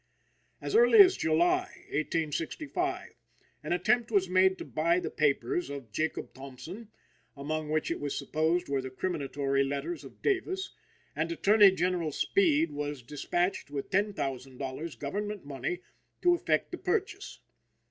As early as July, 1865, an attempt was made to buy the papers of Jacob Thompson, among which it was supposed were the criminatory letters of Davis; and Attorney General Speed was dispatched with $10,000 government money to effect the purchase.